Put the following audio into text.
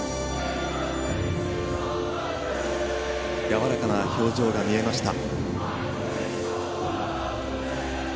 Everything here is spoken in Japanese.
やわらかな表情が見えました。